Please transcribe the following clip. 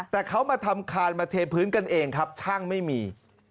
แต่เขามาทำคานมาเทพื้นกันเองครับช่างไม่มี